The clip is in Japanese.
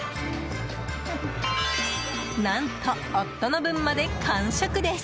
何と、夫の分まで完食です。